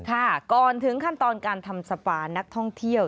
ค่ะก่อนถึงขั้นตอนการทำสปานักท่องเที่ยว